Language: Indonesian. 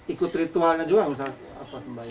ikut ritualnya juga misalnya apa sembahyang